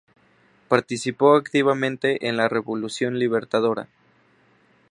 Participó activamente en la Revolución Libertadora.